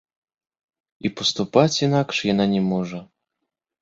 І паступаць інакш яна не можа.